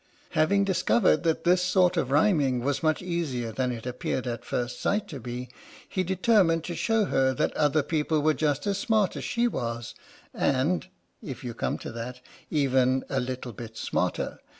Having discovered that this sort of rhyming was much easier than it appeared at first sight to be, he determined to show her that other people were just as smart as she was, and (if you come to that) even a little bit smarter.